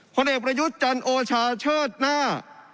ผลเอกประยุทธ์จันโอชาเชิดหน้า